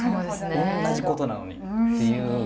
おんなじことなのにっていう。